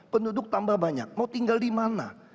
penduduk tambah banyak mau tinggal di mana